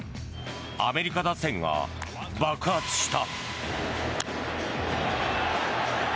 アメリカ打線が爆発した。